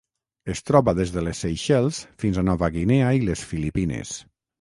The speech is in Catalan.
Es troba des de les Seychelles fins a Nova Guinea i les Filipines.